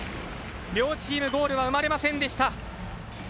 両チームゴールは生まれませんでした。